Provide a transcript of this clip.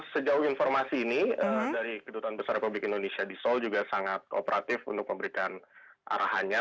sejauh informasi ini dari kedutaan besar republik indonesia di seoul juga sangat kooperatif untuk memberikan arahannya